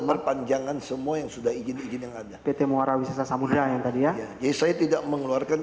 perpanjangan semua yang sudah i welcome r aws nah mereka dia yes kami tidak mengeluarkan